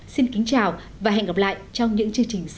xin kính chào và hẹn gặp lại trong những chương trình sau